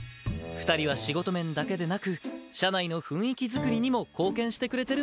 ２人は仕事面だけでなく社内の雰囲気作りにも貢献してくれてるんです。